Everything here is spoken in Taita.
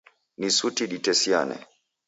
Ni suti ditesiane.